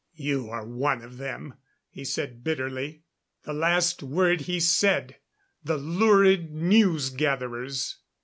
"You are one of them," he said bitterly. "The last word he said the lurid news gatherers."